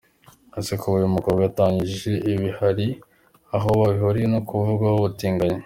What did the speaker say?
Ese kuba uyu mukobwa yatangaje ibi hari aho bihuriye no kuvugwaho ubutinganyi?.